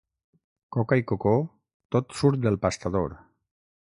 Coca i cocó, tot surt del pastador.